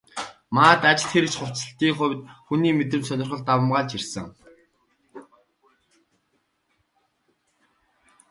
Манайд ажил хэрэгч хувцаслалтын хувьд хувь хүний мэдрэмж, сонирхол давамгайлж ирсэн.